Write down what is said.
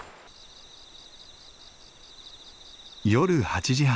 夜８時半。